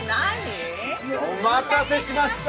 お待たせしました！